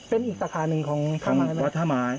เป็นอีกสาขาหนึ่งของของวัฒนธมาย